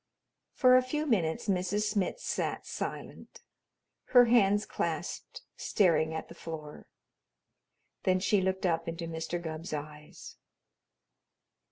For a few minutes Mrs. Smitz sat silent, her hands clasped, staring at the floor. Then she looked up into Mr. Gubb's eyes.